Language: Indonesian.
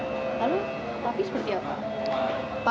lalu papi seperti apa